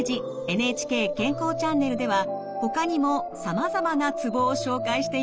「ＮＨＫ健康チャンネル」ではほかにもさまざまなツボを紹介しています。